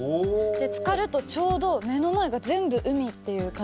つかるとちょうど目の前が全部海っていう感じになって。